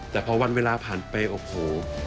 แต่พอวันเวลาผ่านไปโอ้โห